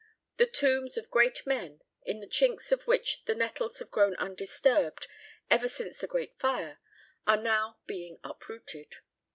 The tombs of great men, in the chinks of which the nettles have grown undisturbed ever since the Great Fire, are now being uprooted.